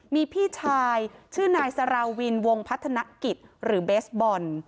มีพี่ชายชื่อนายสาราวินวงพัฒนกิจหรือเบสบอล